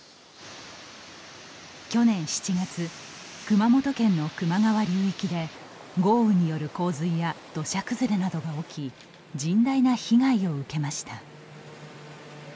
去年７月、熊本県の球磨川流域で豪雨による洪水や土砂崩れなどが起き、甚大な被害を受けました。